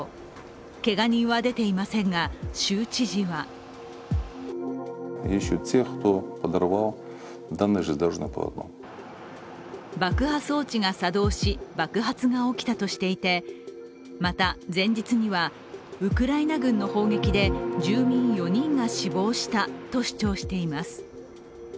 けが人は出ていませんが、州知事は爆破装置が作動し爆発が起きたとしていて、また前日には、ウクライナ軍の砲撃で住民４人が死亡したと主張しています。